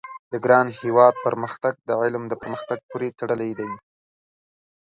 د ګران هېواد پرمختګ د علم د پرمختګ پوري تړلی دی